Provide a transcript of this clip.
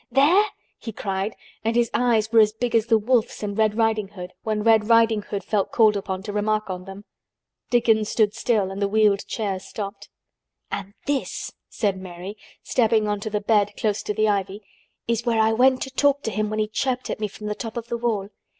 There?" he cried, and his eyes were as big as the wolf's in Red Riding Hood, when Red Riding Hood felt called upon to remark on them. Dickon stood still and the wheeled chair stopped. "And this," said Mary, stepping on to the bed close to the ivy, "is where I went to talk to him when he chirped at me from the top of the wall.